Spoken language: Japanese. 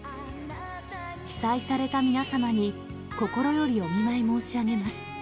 被災された皆様に、心よりお見舞い申し上げます。